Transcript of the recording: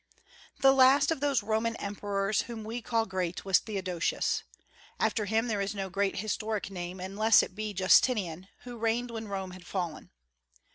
The last of those Roman emperors whom we call great was Theodosius. After him there is no great historic name, unless it be Justinian, who reigned when Rome had fallen.